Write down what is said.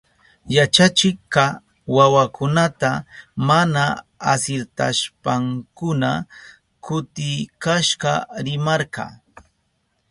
Yachachikka wawakunata mana asirtashpankuna kutikashka rimarka.